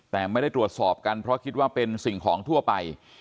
แต่ไม่ได้ตรวจสอบกันเพราะคิดว่าเป็นสิ่งของทั่วไป